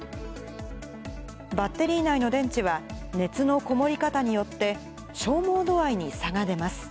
バッテリー内の電池は、熱の籠もり方によって消耗度合いに差が出ます。